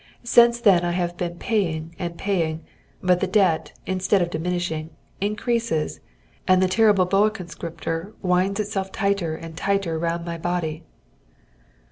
Since then I have been paying and paying, but the debt, instead of diminishing, increases, and the terrible boa conscriptor winds itself tighter and tighter round my body."